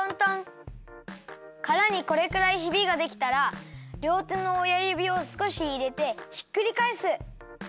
からにこれくらいひびができたらりょうてのおやゆびをすこしいれてひっくりかえす。